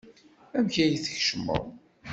Amek ay d-tkecmeḍ?